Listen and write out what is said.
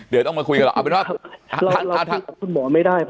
เราอยากจะจากคุณหมอไม่ได้